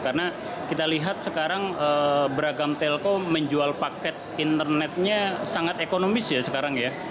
karena kita lihat sekarang beragam telco menjual paket internetnya sangat ekonomis ya sekarang ya